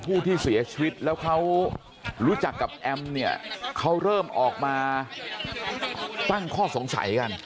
ผู้ที่เสียชีวิตแล้วเขารู้จักกับแอมเนี่ยเขาเริ่มออกมาตั้งข้อสงสัยกัน